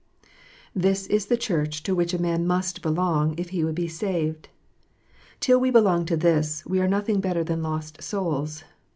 This is the Church to which a man must belong, if he would be saved Till we belong to this, we are nothing better than lost souls.